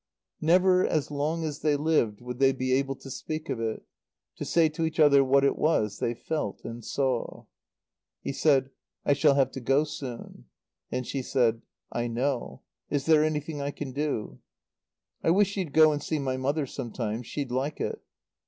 Never as long as they lived would they be able to speak of it, to say to each other what it was they felt and saw. He said, "I shall have to go soon." And she said, "I know. Is there anything I can do?" "I wish you'd go and see my mother some time. She'd like it."